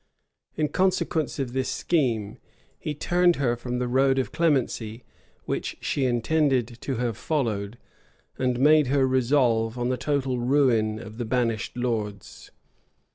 In consequence of this scheme, he turned her from the road of clemency, which she intended to have followed, and made her resolve on the total ruin of the banished lords.